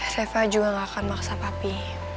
reva juga tidak akan memaksa papi